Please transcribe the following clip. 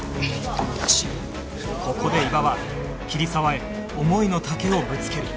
ここで伊庭は桐沢へ思いの丈をぶつける